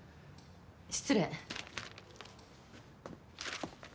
失礼。